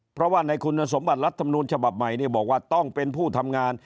เพราะว่าในคุณสมบัติรัฐมนูลฉบับใหม่บอกว่าต้องเป็นผู้ทำงาน